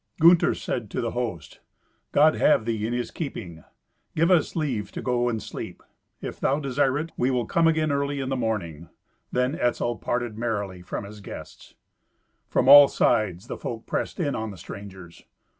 Gunther said to the host, "God have thee in His keeping. Give us leave to go and sleep. If thou desire it, we will come again early in the morning." Then Etzel parted merrily from his guests. From all sides the folk pressed in on the strangers.